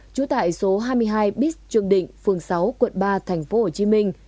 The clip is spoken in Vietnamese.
trú tại số hai mươi hai bích trường định phường sáu quận ba tp hcm